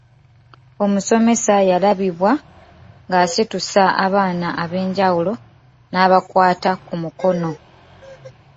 Omusomesa yalabibwa ng’asitusa abaana ab’enjawulo n’abakwata ku mukono.